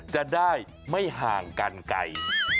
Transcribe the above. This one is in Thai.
จะได้ไม่ห่างกันไกล